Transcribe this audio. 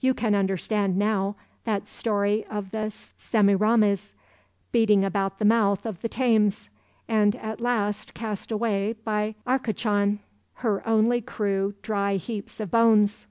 You can understand now that story of the Semiramis, beating about the mouth of the Thames, and at last cast away by Arcachon, her only crew dry heaps of bones.